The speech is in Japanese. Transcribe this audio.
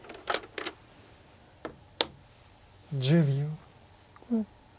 １０秒。